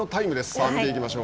さあ、見ていきましょう。